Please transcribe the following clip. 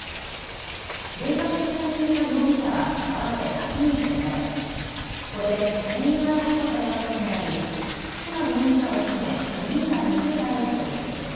現場周辺にいた容疑者は合わせて８人と見られこれで全員が逮捕されたことになり福嶋容疑者を含め５人が２０代だということです。